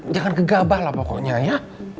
jangan kegabahlah pokoknya ya